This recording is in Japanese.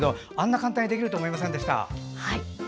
簡単にできるとは思いませんでした。